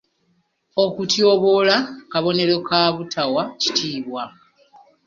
Okutyoboola kabonero ka butawa kitiibwa.